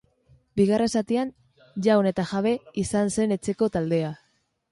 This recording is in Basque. Bigarren zatian jaun eta jabe izan zen etxeko taldea.